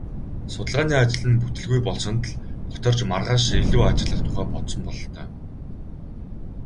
Судалгааны ажил нь бүтэлгүй болсонд л гутарч маргааш илүү ажиллах тухай бодсон бололтой.